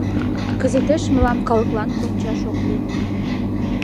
— Кызытеш мылам калыклан кончаш ок лий.